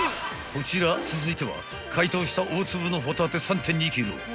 ［こちら続いては解凍した大粒のホタテ３．２ｋｇ］